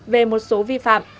về một số vi phạm